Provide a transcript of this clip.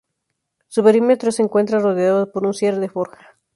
Su perímetro se encuentra rodeado por un cierre de forja.